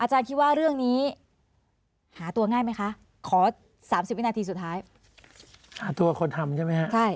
หาตัวคนทำใช่ไหมครับ